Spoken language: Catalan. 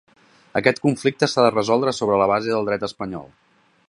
Aquest conflicte s’ha de resoldre sobre la base del dret espanyol.